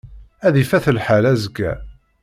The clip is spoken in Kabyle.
Ad ifat lḥal azekka.